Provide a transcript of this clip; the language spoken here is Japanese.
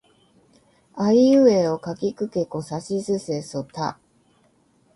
あいうえおかきくけこさしすせそた